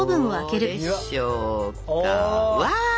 うわ！